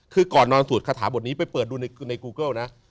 คือก่อนนอนสวดคาถาบทนี้ไปเปิดดูในกูเกิลนะ